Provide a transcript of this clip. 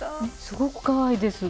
すごくかわいいです。